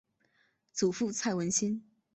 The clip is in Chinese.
祖父蔡文兴。